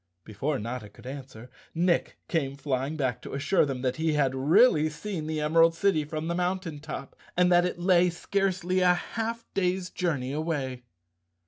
Before Notta could answer Nick came flying back to assure them that he had really seen the Emerald City from the mountain top and that it lay scarcely a half day's journey away.